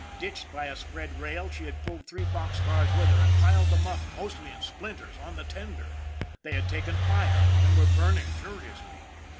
Ditched by a spread rail, she had pulled three box cars with her, and piled them up, mostly in splinters, on the tender. They had taken fire, and were burning furiously.